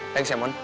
thanks ya mon